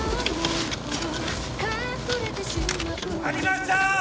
ありました！